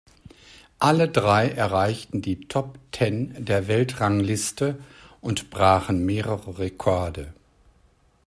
Alle drei erreichten die Top Ten der Weltrangliste und brachen mehrere Rekorde.